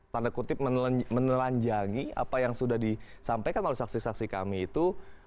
tanda kutip menelanjangi apa yang sudah disampaikan oleh saksi saksi kami itu